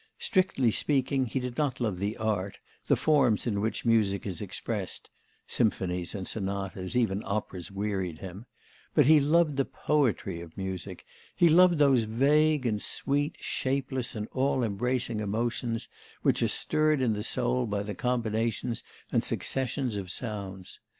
Strictly speaking, he did not love the art, the forms in which music is expressed (symphonies and sonatas, even operas wearied him), but he loved the poetry of music: he loved those vague and sweet, shapeless, and all embracing emotions which are stirred in the soul by the combinations and successions of sounds.